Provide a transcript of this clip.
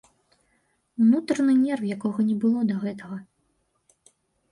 Унутраны нерв, якога не было да гэтага.